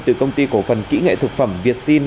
từ công ty cổ phần kỹ nghệ thực phẩm việt sinh